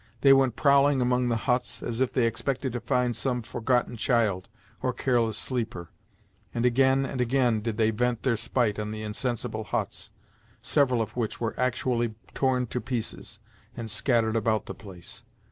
They went prowling among the huts, as if they expected to find some forgotten child or careless sleeper; and again and again did they vent their spite on the insensible huts, several of which were actually torn to pieces, and scattered about the place.